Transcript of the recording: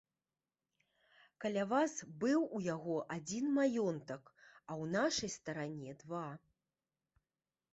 Каля вас быў у яго адзін маёнтак, а ў нашай старане два.